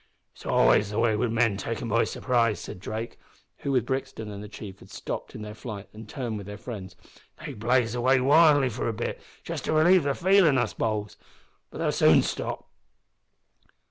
"It's always the way wi' men taken by surprise," said Drake, who, with Brixton and the chief, had stopped in their flight and turned with their friends. "They blaze away wildly for a bit, just to relieve their feelin's, I s'pose. But they'll soon stop."